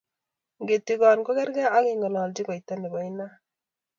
ngetigon ko kergei ak kengololchi koita ne bo inat